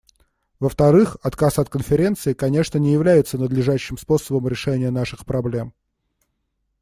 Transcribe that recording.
Во-вторых, отказ от Конференции, конечно, не является надлежащим способом решения наших проблем.